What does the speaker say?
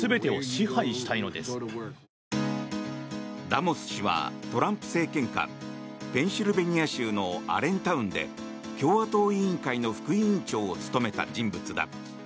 ラモス氏はトランプ政権下ペンシルベニア州のアレンタウンで共和党委員会の副委員長を務めた人物だ。